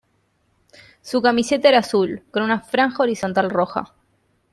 Su camiseta era azul, con una franja horizontal roja.